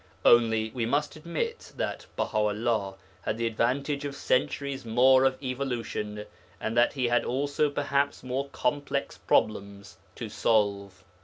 Only, we must admit that Baha 'ullah had the advantage of centuries more of evolution, and that he had also perhaps more complex problems to solve.